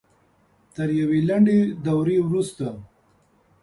تر یوې لنډې دورې وروسته